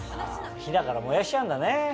火だから燃やしちゃうんだね。